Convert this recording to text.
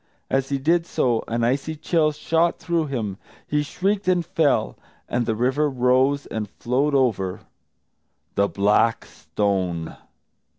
As he did so, an icy chill shot through him; he shrieked and fell. And the river rose and flowed over The Black Stone.